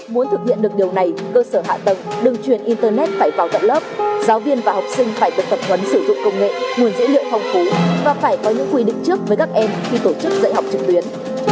muốn thực hiện được điều này cơ sở hạ tầng đường truyền internet phải vào tận lớp giáo viên và học sinh phải được tập huấn sử dụng công nghệ nguồn dữ liệu phong phú và phải có những quy định trước với các em khi tổ chức dạy học trực tuyến